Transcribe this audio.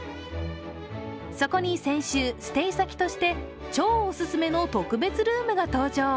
そこに先週、ステイ先として超オススメの特別ルームが登場。